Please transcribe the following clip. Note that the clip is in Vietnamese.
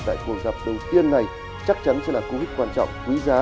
tại cuộc dọc đầu tiên này chắc chắn sẽ là cú hít quan trọng quý giá